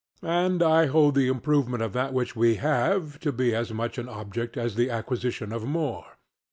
And I hold the improvement of that which we have to be as much an object as the acquisition of more.